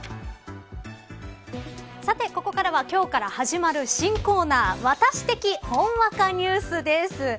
さてここからは今日から始まる新コーナーワタシ的ほんわかニュースです。